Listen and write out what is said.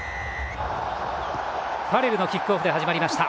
ファレルのキックオフで始まりました。